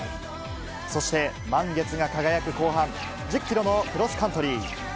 そして、満月が輝く後半、１０キロのクロスカントリー。